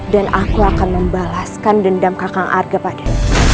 dan aku akan membalaskan dendam kakak arga pada